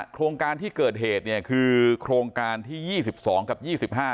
โครงการที่เกิดเหตุเนี่ยคือโครงการที่ยี่สิบสองกับยี่สิบห้า